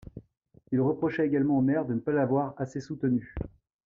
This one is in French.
Il reprochait également au maire de ne pas l'avoir assez soutenu.